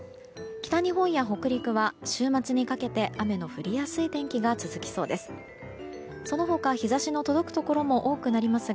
北日本や北陸は週末にかけて雨の降りやすい天気が続きそうです。